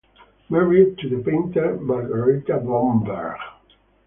Married to the painter Margareta Blomberg.